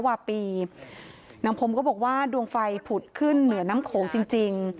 นางพรมก็บอกว่าดวงไฟผุดขึ้นเหนือน้ำโขงจริง